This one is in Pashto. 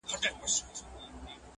ګل دي کم لاچي دي کم لونګ دي کم!